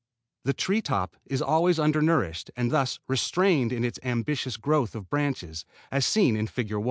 The tree top is always under nourished and thus restrained in its ambitious growth of branches, as seen in Fig.